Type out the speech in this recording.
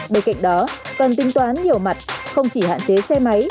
bên cạnh đó cần tính toán nhiều mặt không chỉ hạn chế xe máy